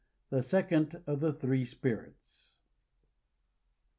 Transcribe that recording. THE SECOND OF THE THREE SPIRITS.